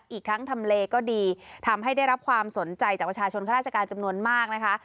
อีกทั้งทำเลก็ดีทำให้ได้รับความสนใจจากประชาชนข้าราชการจำนวนมากนะคะ